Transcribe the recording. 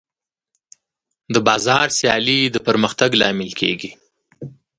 د بازار سیالي د پرمختګ لامل کېږي.